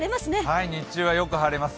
はい、日中はよく晴れます。